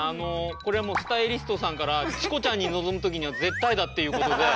これはもうスタイリストさんから「チコちゃん」に臨む時には絶対だっていうことで。